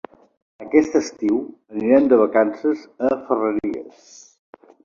Aquest estiu anirem de vacances a Ferreries.